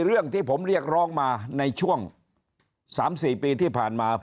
เรื่องที่ผมเรียกร้องมาในช่วง๓๔ปีที่ผ่านมา